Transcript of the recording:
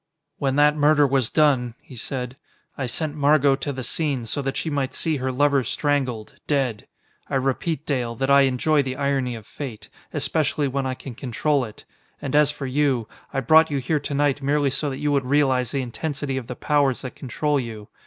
"When that murder was done," he said, "I sent Margot to the scene, so that she might see her lover strangled, dead. I repeat, Dale, that I enjoy the irony of fate, especially when I can control it. And as for you I brought you here to night merely so that you would realize the intensity of the powers that control you.